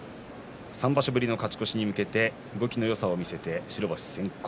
３場所ぶりの勝ち越しに向けて動きのよさを見せて白星先行。